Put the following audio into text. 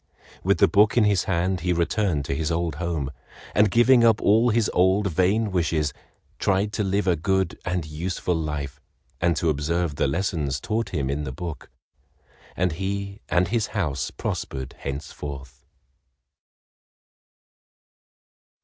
With the book in his hand he returned to his old home, and giving up all his old vain wishes, tried to live a good and useful life and to observe the lessons taught him in the book, and he and his house prospered henceforth.